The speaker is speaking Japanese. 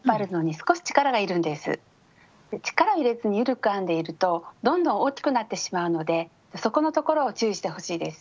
力を入れずに緩く編んでいるとどんどん大きくなってしまうのでそこのところを注意してほしいです。